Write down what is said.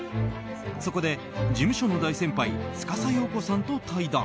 そこで、事務所の大先輩司葉子さんと対談。